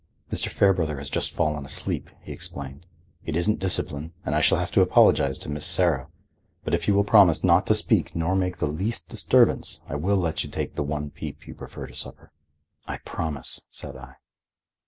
"Mr. Fairbrother has just fallen asleep," he explained. "It isn't discipline and I shall have to apologize to Miss Serra, but if you will promise not to speak nor make the least disturbance I will let you take the one peep you prefer to supper." "I promise," said I.